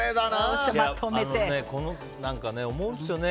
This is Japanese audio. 思うんですよね